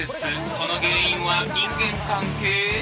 ［その原因は人間関係？］